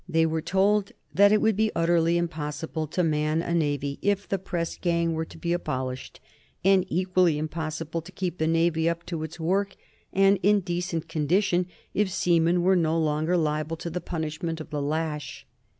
They were told that it would be utterly impossible to man a navy if the press gang were to be abolished, and equally impossible to keep the Navy up to its work and in decent condition if seamen were no longer liable to the punishment of the lash.